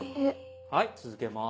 はい続けます。